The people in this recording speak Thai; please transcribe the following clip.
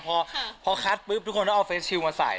พอคัดปุ๊บทุกคนต้องเอาเฟสชิลมาใส่